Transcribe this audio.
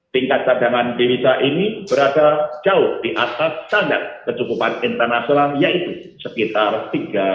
tingkat cadangan di indonesia ini berada jauh di atas standar kesukupan internasional yaitu sekitar tiga bulan import